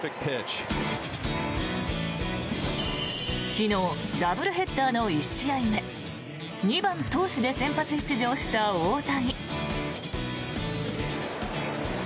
昨日ダブルヘッダーの１試合目２番投手で先発出場した大谷。